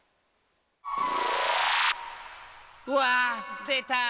うわあ！でた！